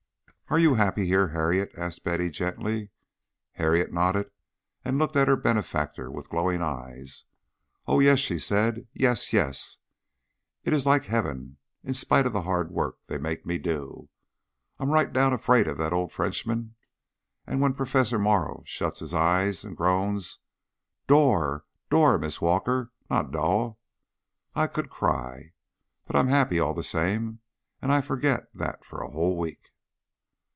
"Are you happy here, Harriet?" asked Betty, gently. Harriet nodded and looked at her benefactor with glowing eyes. "Oh, yes," she said. "Yes yes. It is like heaven, in spite of the hard work they make me do. I'm right down afraid of that old Frenchman, and when Professor Morrow shuts his eyes and groans, 'Door d o o r, Miss Walker, not d o u g h,' I could cry. But I'm happy all the same, and I forgot that for a whole week."